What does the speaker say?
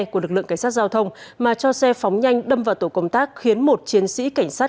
của lực lượng cảnh sát giao thông mà cho xe phóng nhanh đâm vào tổ công tác khiến một chiến sĩ cảnh sát